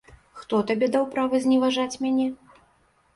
Хто табе даў права зневажаць мяне?